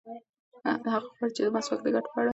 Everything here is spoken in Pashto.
هغه غواړي چې د مسواک د ګټو په اړه یو کتاب ولیکي.